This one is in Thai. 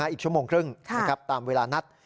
อีกชั่วโมงครึ่งตามเวลานัด